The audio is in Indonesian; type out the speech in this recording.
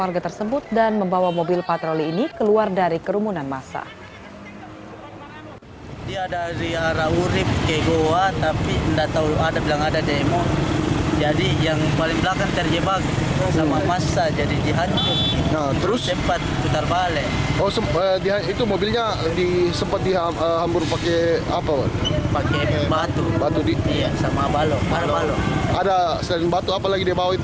warga tersebut dan membawa mobil patroli ini keluar dari kerumunan massa